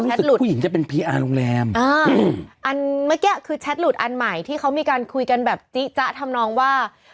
หลุดผู้หญิงจะเป็นพีอาร์โรงแรมอ่าอันเมื่อกี้คือแชทหลุดอันใหม่ที่เขามีการคุยกันแบบจิจ๊ะทำนองว่า